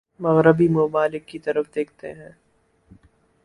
مغربی ممالک کی طرف دیکھتے ہیں